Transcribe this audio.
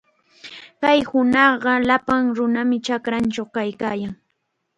Kay hunaqqa llapan nunam chakrachaw kaykaayan.